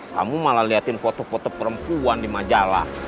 kamu malah liatin foto foto perempuan di majalah